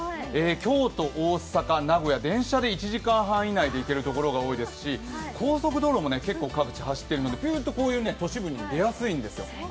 京都、大阪、名古屋、電車で１時半以内で行ける所が多いですし、高速道路も結構各地、走ってるのでビューッとこういう都市部に出やすいんですよ。